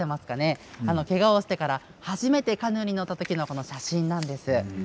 けがをしてから初めてカヌーに乗ったときの写真なんです。